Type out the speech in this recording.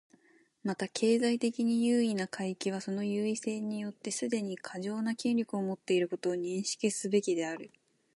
また、経済的に優位な階級はその優位性によってすでに過剰な権力を持っていることを認識すべきである。